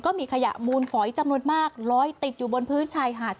ก็มีขยะมูลฝอยจำนวนมากลอยติดอยู่บนพื้นชายหาด